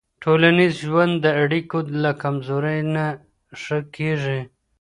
ټولنیز ژوند د اړیکو له کمزورۍ نه ښه کېږي.